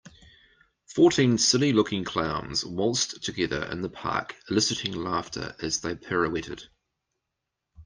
Fourteen silly looking clowns waltzed together in the park eliciting laughter as they pirouetted.